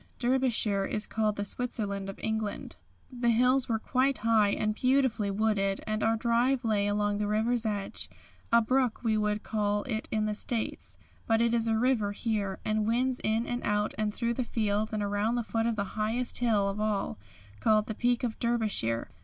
Derbyshire is called the Switzerland of England. The hills were quite high and beautifully wooded, and our drive lay along the river's edge a brook we would call it in the States, but it is a river here and winds in and out and through the fields and around the foot of the highest hill of all, called the Peak of Derbyshire.